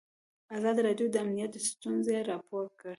ازادي راډیو د امنیت ستونزې راپور کړي.